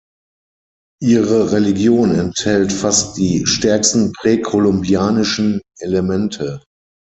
Ihre Religion enthält fast die stärksten präkolumbianische Elemente.